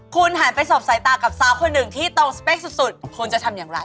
คุณหันไปสอบสายตากับสาวคนหนึ่งที่ตรงสเปคสุดคุณจะทำอย่างไร